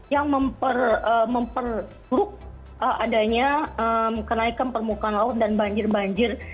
yang memperburuk adanya kenaikan permukaan laut dan banjir banjir